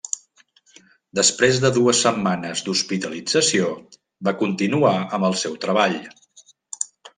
Després de dues setmanes d'hospitalització va continuar amb el seu treball.